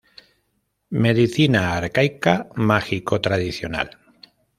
Medicina arcaica mágico-tradicional.